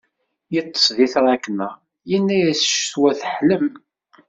Iṭṭes di tṛakna, yina-as ccetwa teḥlem.